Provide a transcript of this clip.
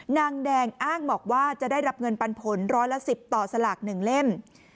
นางแดงอ้างบอกว่าจะได้รับเงินปันผลร้อยละ๑๐ต่อสลาก๑เล่ม